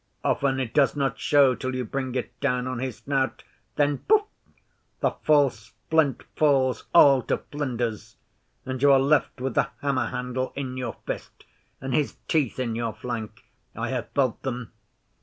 Often it does not show till you bring it down on his snout. Then Pouf! the false flint falls all to flinders, and you are left with the hammer handle in your fist, and his teeth in your flank! I have felt them.